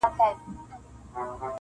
• واوری واوری شب پرستو سهرونه خبرومه..